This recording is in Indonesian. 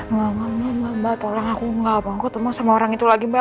enggak enggak mbak tolong aku gak mau ketemu sama orang itu lagi mbak